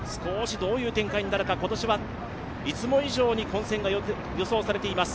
どういう展開になるか、今年はいつも以上に混戦が予想されています。